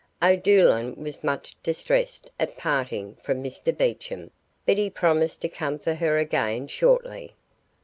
O'Doolan was much distressed at parting from Mr Beecham, but he promised to come for her again shortly.